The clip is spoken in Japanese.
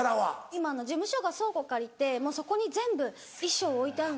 今事務所が倉庫を借りてそこに全部衣装を置いてあるんです。